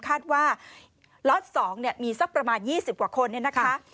คาดว่าล็อต๒มีสักประมาณ๒๐กว่าคนเนี่ยนะคะ